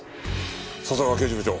笹川刑事部長。